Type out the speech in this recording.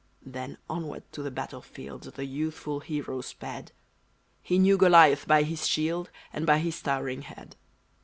Then onward to the battle field The youthful hero sped; He knew Goliath by his shield, And by his towering head.